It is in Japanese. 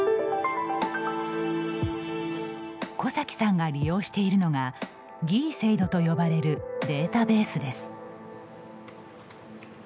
小崎さんが利用しているのがＧＩＳＡＩＤと呼ばれるデータベースです。